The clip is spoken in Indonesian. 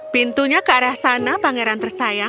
pintunya ke arah sana pangeran tersayang